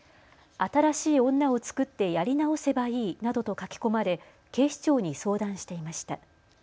新しい女を作ってやり直せばいいなどと書き込まれ警視庁に相談していました。